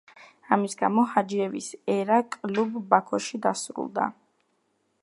ამის გამო ჰაჯიევის ერა კლუბ ბაქოში დასრულდა.